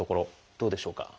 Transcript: どうでしょうか？